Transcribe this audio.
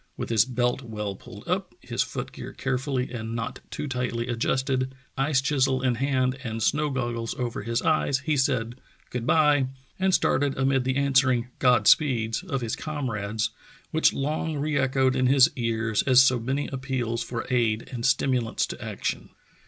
With his belt well pulled up, his foot gear carefull}' and not too tightly adjusted, ice chisel in hand and snow goggles over his eyes, he said *'Good by, " and started amid the answering "God speeds" of his comrades, which long re echoed in his ears as so many appeals for aid and stimulants to action.